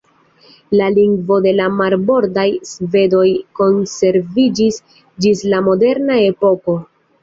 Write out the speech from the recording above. La lingvo de la marbordaj svedoj konserviĝis ĝis la moderna epoko.